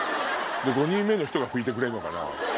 ５人目の人が拭いてくれるのかな？